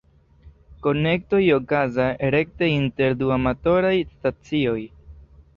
Konektoj okazas rekte inter du amatoraj stacioj.